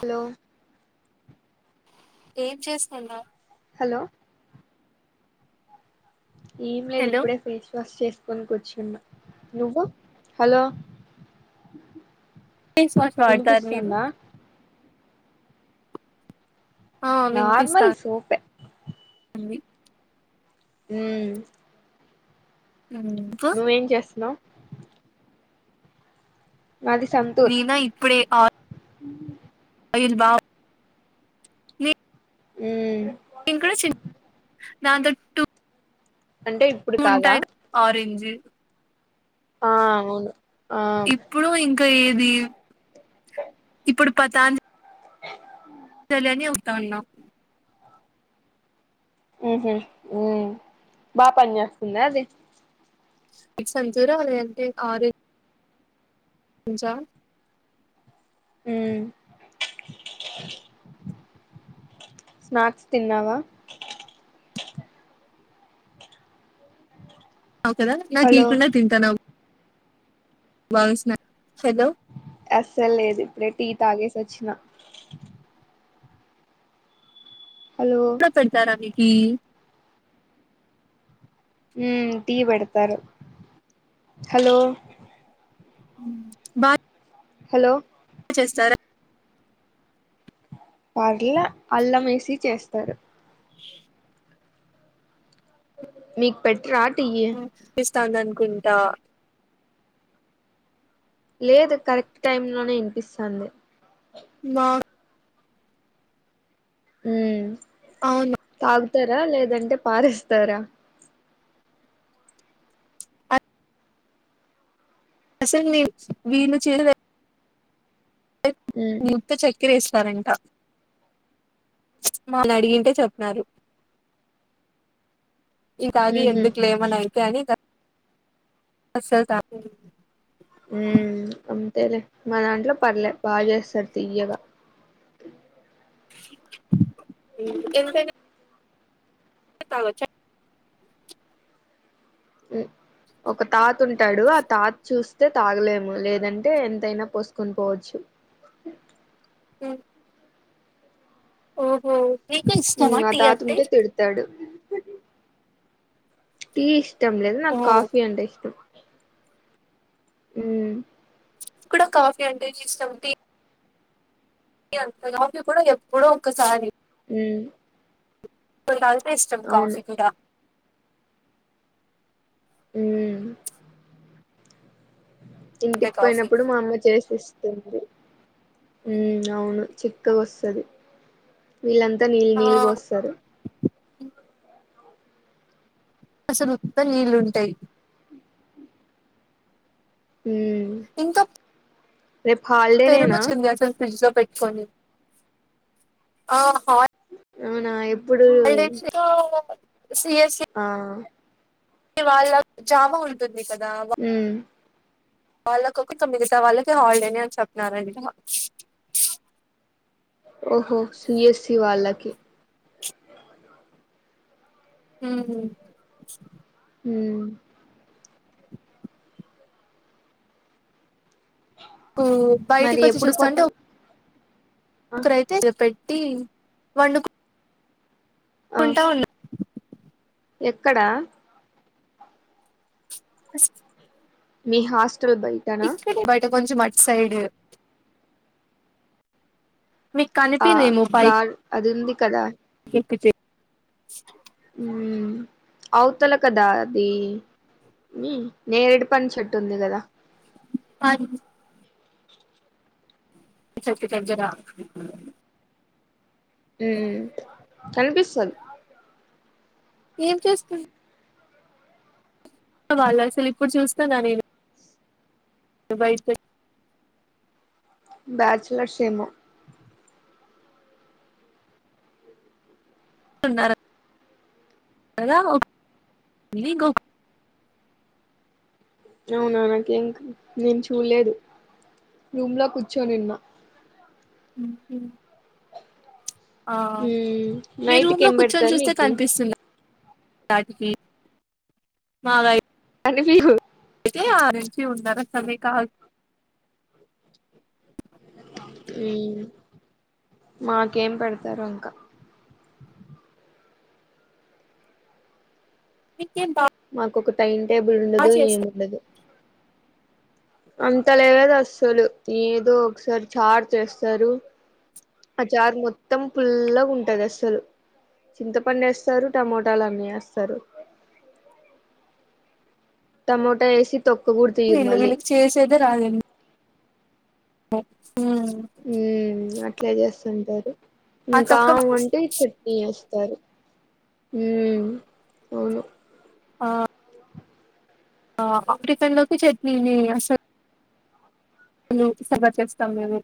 Hello ఏం చేస్తున్నావ్ hello ఏం లేదు హలో ఇప్పుడే ఫేస్ వాష్ చేస్ కొన్కొచ్చున్న నువ్వు. హలో ఫేస్ వాష్ వాడతారు మీరు? వినిపిస్తుందా నార్మల్ సోపే అంది ఉహ్మ్ ఇంకా నువ్వేం చేస్తున్నావ్. నీనా ఇప్పుడే ఆర్ ఉహ్ అయిల్ బా నే ఉమ్ ఇంకా సీన్ నాదొటూ అంటే ఇప్పుడు కాదా ఉంటాయి ఆరెంజ్ ఆ అవును ఆ ఇప్పుడు ఇంక్ ఏది ఇప్పుడు పతాంజ్ తెలియని వుస్తాన్నా మ్మ్ హు మ్మ్ బా పన్ చేస్తుందే అది. ఈ సంచురాలేంటి ఆరే ఉంచా మ్మ్ స్నాక్స్ తిన్నావా అవ్ కదా నాకు హలో ఇయ్యకుండా తింటన్నావ్. వాన్స్నా. అస్సల్ లేదు. ఇప్డేట్ టీ తాగేసి వచ్చిన. హలో డా పెడతారా మీక్ ఈయూ ఉమ్ టీయే పెడతారు. హలో ఉమ్ బా హలో. చేస్తారా. పర్లే అల్లం వేసి చేస్తారు. [inaudible] మీక్ పెట్ రా టీయి తను అనుకుంటా లేదు కరెక్ట్ టైమ్ లోనే ఇన్పిస్తాంది. మ్మ్ వా మ్మ్ అవును. ఇస్తారా లేదంటే పారేస్తారా. అస్సల్ మేం వీళ్లు చిన్నదే ఉమ్ ఉత్త చేయ్ తిరిగి ఇస్తారంట వాళ్ళు అడిగితే చెప్పినారు. ఇంకా ఆగి ఉహు ఎందుకులే ఏమన్నా అయితాయ్ అని త. అస్సల్ తాగేలేదు మ్మ్ అంతేలే మా దాంట్లో పర్లే బా చేస్తారు తీయ్యగా. [inaudible] మ్మ్ ఇంతేగ తాగొచ్చ మ్మ్ ఒక తాత ఉంటాడు. ఆ తాత్ చూస్తే తాగలేము లేదంటే ఎంతైనా పోసుకొని పోవచ్చు. మ్మ్ ఓహో నీకు మ్మ్ ఇష్టమా మా టీ తాత అంటే ఉంటే తిడతాడు. టీ ఇష్టం లేదు. ఓ నాకు కాఫీ అంటే ఇష్టం. మ్మ్ కూడా కాఫీ అంటే ఇష్టం టీ ఆంత కాఫీ కూడా ఎప్పుడో ఒకసారి. ఉమ్ ఇప్పుడు కాదు. ఇష్టం అవును కాఫీ కూడా. మ్మ్ అంటే ఇంటికి కాఫీ పోయినప్పుడు మా అమ్మ చేసిస్తుంది మ్మ్ అవును చిక్కగ వస్తది వీళ్ళ త నీళ్ళు ఆ నీళ్ళు పోస్తరు అసలుత్త నీళ్లుంటాయ్ ఉమ్ ఇంకా రేపు పెరు హాలిడేనేనా పచ్ ఉంది అస్సల్ ఫ్రీజ్ లో పెట్ కొనివ్ ఆహా అవునా ఎ నేను స్టేడివో. ఆహ్. వాళ్ళా జామ ఉంటుంది. ఇంస్టాగ్రామ్ వా. ఉమ్ వాళ్ళకు ఒక మిగతా వాళ్ళకే హాలిడే అని చెప్పినారంట. ఓహో సి ఎస్ సి వాళ్లకి. ఉమ్ ఉమ్ ఉమ్ బయటికి మరి వచ్చి ఎప్పుడు చూస్తా అంటే పోతావ్ ఆ ఒకరు అయితే రేపు ఏయ్. తీయి వండుకు. ఆ ఉంటా ఉన్నా. ఎక్కడా. అస్ మీ హాస్. బయటనా. కొంచం అట్ సైడు. ఆహ్ కనిపిదేమో గా అది ఏంది. కదా. ఎకించే. ఉమ్ అవతల కదా అది నేరేడు పండు చెట్టు ఉంది కదా. ఆహ్ దూ చెట్టు చంచన. ఉమ్ కనిపిస్తద్ ఏం చేస్కూన్ వాళ్ళ అస్సల్ ఇప్పుడు చూస్తానా నేను [unintelligible] బయ్ట్కో బ్యాచులర్స్ ఏమో. ఉన్నారు. కదా మలీకు అవునా నాకేం నేను చూడలేదు. రూమ్ లో కూర్చోని ఉన్న. ఉమ్ మ్మ్ మీ నైట్ కి రూమ్లో ఏం కూర్చొని పెడతారు చూస్తే మీకి కనిపిస్తుందా. మాదైప్ అన్ని పీరు. ఆర్. ఎం. పి ఉన్నారా కామే కాల్. ఉమ్ మాకేం పెడతారో ఇంకా. మీకు ఎంత. మాకు ఒక టైం. టేబుల్ ఉండదు ఏం ఉండదు. అంత లేదస్సలు ఏదో ఒకసారి చార్ చేస్తారు. ఆ చార్ మొత్తం ఫుల్లాగా ఉంటదస్సలు. చింతపండ్ ఏస్తారు, టమోటాలన్నీ యేస్తారు. టమోటా ఏసి త్ వీళ్లు వీళ్ళకి చేసేదే రాదండ్ [unintelligible] ఉమ్ అట్లే చేస్తుంటార్. ఆ ఇంకా తొక్క వంటే చట్నీ ఏస్తారు. ఉహ్మ్ అవును ఆహ్ ఆప్రీకన్ లోకి చట్నీనే అసల్ ను సాంబార్ చేస్తాం. మేము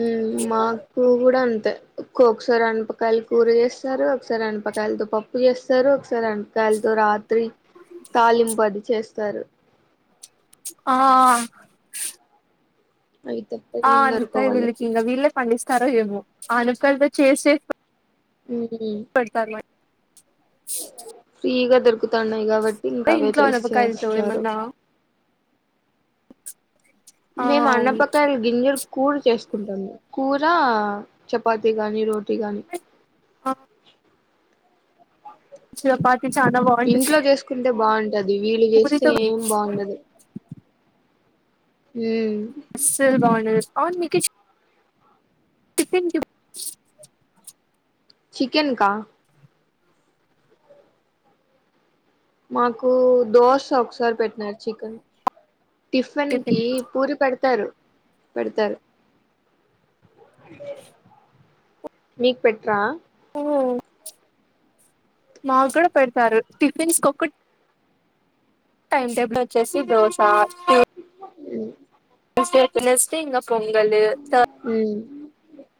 ఉహ్మ్ మాకు కూడా అంతే. ఒక్ ఒకసారి అనపకాయలు కూర చేస్తారు, ఒకసారి అనపకాయలతో పప్పు చేస్తారు, ఒకసారి అనపకాయలతో రాత్ త్రీ తాలింపది. చేస్తారు. ఆహ్ అవి తప్ప ఆ ఏం దొరకవు అన్పాకాయ వాళ్ళకి వీళ్ళకింగా విల్లే పండిస్తరో ఏమో ఆ అన్ప కలిపే చేసే ఉమ్ పేడతారు మక్ ఫ్రీగా దొ దొరుకుత్ తన్నాయి కాబట్టి మ ఇంకా అవే ఇంట్లో అనపకాయలతో చేసేస్తారు. ఏమన్నా ఆ మేమ్ అన్నపక గింజర్క్ కూర్ చేస్తుంటాన్ కూర చపాతి గాని రోటీ గాని అ చపాతీ కానీ చాలా బావుంటద్. బావున్ అది వీళ్లు చేస్తే ఏం బావుండదు. ఉహ్మ్ అస్సలు బాగుండదు. అవును మీకీ టీఫిన్ [unintelligible] చికెన్ కా మాకు దోశ ఒకసారి పెట్నర్ చికెన్ టిఫిన్ కి పూరి పెడతారు. పెడతారు మీక్ పెట్ట ఉం మాకు కూడా పెడతారు టిఫిన్స్ ఒక టైమ్ టేబుల్ వచ్చేసి దోస మ్ వెడ్నెస్డే నెస్టింగ్ అప్ కొంగలు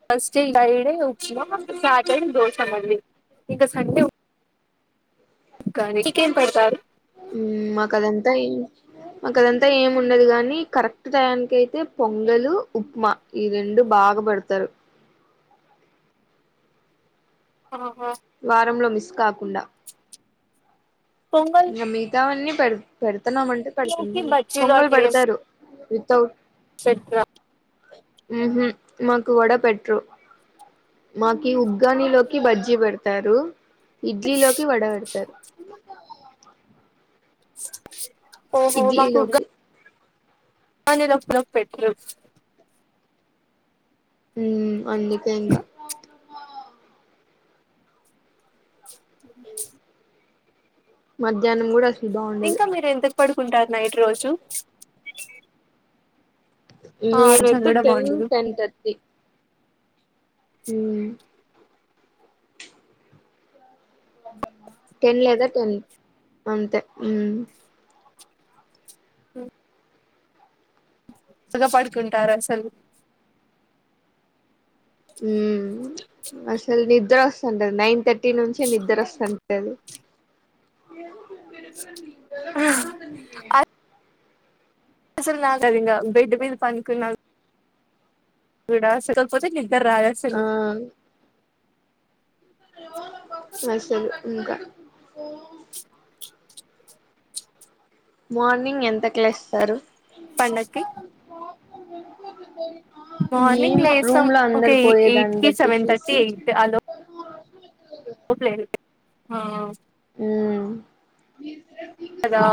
థర్డ్స్య్ ఫ్రైడే ఉప్మా ఫ్యాట్ అండ్ దోశ నండి ఇక సండే చికెన్ పేడతారు తయ్ మాక్ అదంతా ఏం ఉండదు గని కరెక్ట్ టయనికైతే పొంగలు ఉప్మా ఈ రెండు బాగాబేడతారు వారంలో మిస్ కాకుండా పొంగల్ ఇంగ మీతావన్నీ పెడ్ పెడుతున్నామ అంటే లోకి పెడుతుంది పొంగలు పెడతారు తౌడ్ సెట్రా ఉహుమ్ మాక్ వడ పెట్రు మాకి ఉగ్గాని లోకి బజ్జి వేడ్తారు ఇడ్లీ లోకి వడ వెడ్తారు స ఓహో మాకు గ ఇడ్లీలోకి అని రఫ్ రఫ్ పెట్రైట్స్ ఉమ్ అందుకే ఇంకా హ [unintelligible] మధ్యాహ్నం కూడా అసలు బాగుండదు ఇంకా మీరు ఎంత పడుకుంటారు నైట్ రోజు ఆ నేన్ కొంచెం అయితే కూడా టెన్ బాగుండదు టెన్ థర్టీ హ్మ్ టెన్ లేదా టెన్ అంతే హ్మ్ ఇగ పడుకుంటార్ అసలు హ్మ్ అసల్ నిద్రస్తుంటద్ నైన్ థర్ట్ టి నుంచి నిద్ర అస్తన్ ఎదు అ అసలు రాదది ఇంగ బెడ్ మీద పనుకున్నా గూడా స్వల్పో [unintelligible] నిద్ర ఆ రాదాసలు అసలు ఇంకా మార్నింగ్ ఎంత కు లేస్తారు పండక్కి మార్నింగ్ ఏమో లేస్తాం రూమ్ లో ఒక అందరు ఎయిట్ పోయేదాన్ని కి బట్టి సెవెన్ థర్టీ చూసి ఎయిట్ ఆ లోపు హోప్ లేదు హా ఉ హలో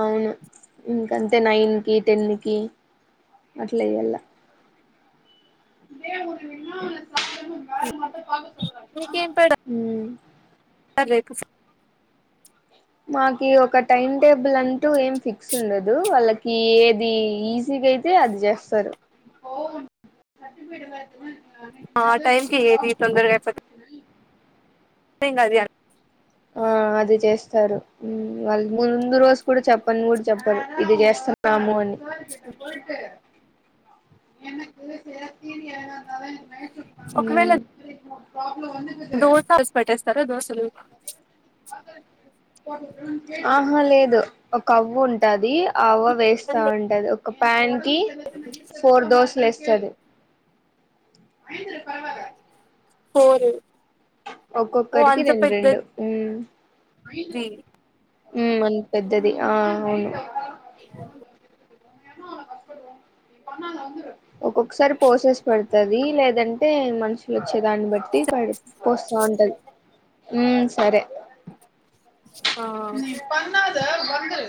అవును ఇంకంతే నైన్ కి టెన్ కి అట్లాలెయాల ఊరు [unintelligible] మీకే పడా [unintelligible] ఉమ్ రేపు సా మాకి ఒక టైమ్ టేబుల్ అంటూ ఏం ఫిక్స్ ఉండదు వాళ్ళకి ఏది ఈజీగా అయితే అది చేస్తారు ఆ న్నదే టైం కి ఏది [unintelligible] ద్యా [unintelligible] ఆ అది చేస్తారు ఉ వాళ్ళు ముందు రోజు కూడా చెప్పను కూడా చెప్పరు ఇది చేస్తున్నాము అని హ్మ్ దోస హౌస్ పెట్టేస్తారా దోసలు హ్మ్ ఆహా లేదు ఒక అవ్వు ఉంటాది ఆఅవ్వ వేస్తా ఉంటది ఒక ప్యాంట్ కి ఫోర్ దోసెలు వేస్తా సరే పోరు ఒక్కొక్కరికి రెండు రెండు ఉ అంత పెద్దది ఆ అవును ఒక్కొక్కసారి పోసేసి పెడుతది లేదంటే మనుషులు వచ్చే దాన్ని బట్టి పడి పోస్తా ఉంటది ఉ సరే ఆ ని పన్నా సారు వందు